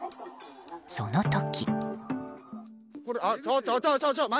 その時。